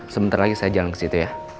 sebentar lagi saya jalan ke situ ya